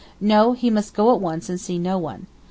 'No, he must go at once and see no one.